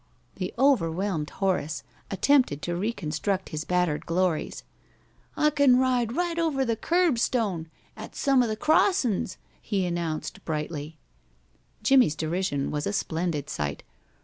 The overwhelmed Horace attempted to reconstruct his battered glories. "I can ride right over the curb stone at some of the crossin's," he announced, brightly. Jimmie's derision was a splendid sight.